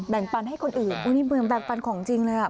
แบ่งปันให้คนอื่นอุ้ยมึงแบ่งปันของจริงเลยอ่ะ